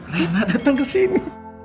rena datang kesini